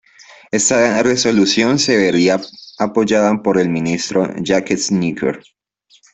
Esta resolución se vería apoyada por el ministro Jacques Necker.